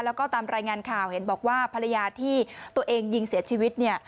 แล้วก็ตามรายงานข่าวเห็นบอกว่าภรรยาที่ตัวเองยิงเสียชีวิตเนี่ย